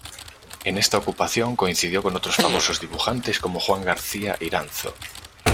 En esta ocupación coincidió con otros famosos dibujantes, como Juan García Iranzo.